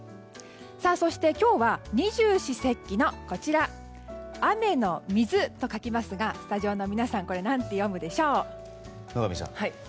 そして今日は二十四節気のこちら、雨の水と書きますがスタジオの皆さんなんて読むでしょう。